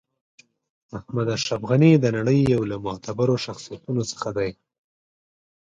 محمد اشرف غنی د نړۍ یو له معتبرو شخصیتونو څخه ده .